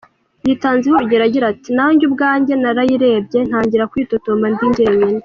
Yitanzeho uregero agira ati “Nanjye ubwanjye narayirebye ntangira kwitotomba ndi njyenyine.